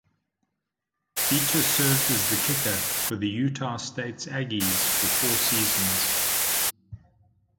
Beecher served as the kicker for the Utah State Aggies for four seasons.